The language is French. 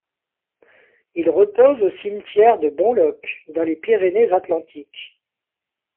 Il repose au cimetière de Bonloc, dans les Pyrénées-Atlantiques.